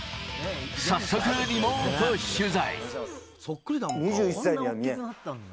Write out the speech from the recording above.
早速、リモート取材。